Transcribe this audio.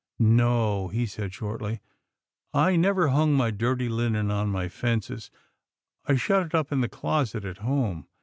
"" No," he said shortly, " I never hung my dirty linen on any fences. I shut it up in the closet at home.